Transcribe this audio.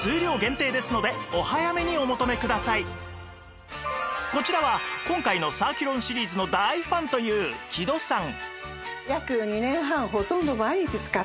ただしこちらは今回のサーキュロンシリーズの大ファンという木戸さん